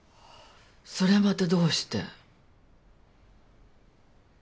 それまたどうして？